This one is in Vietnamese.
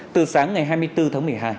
từ sáng ngày hai mươi bốn tháng một mươi hai